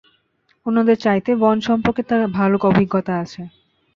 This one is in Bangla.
অন্যদের চাইতে বন সম্পর্কে তার ভালো অভিজ্ঞতা আছে।